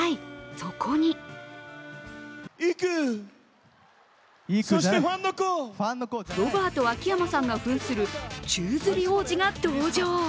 そこにロバート秋山さんがふんする宙吊り王子が登場。